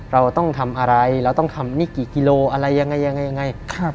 เราต้องทำอะไรเราต้องทำนี่กี่กิโลอะไรยังไงยังไง